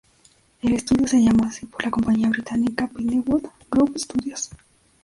El estudio se llamó así por la compañía británica Pinewood Group Studios.